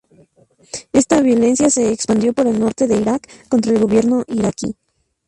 Esta violencia se expandió por el norte de Irak contra el gobierno iraquí.